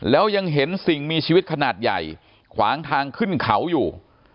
แล้วยังเห็นสิ่งมีชีวิตขนาดใหญ่ขวางทางขึ้นเขาอยู่